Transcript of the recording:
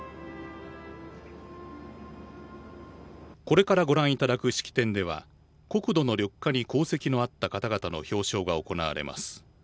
これからご覧いただく式典では国土の緑化に功績のあった方々の表彰が行われます。